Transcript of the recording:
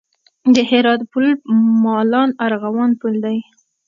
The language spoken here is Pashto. د هرات پل مالان ارغوان پل دی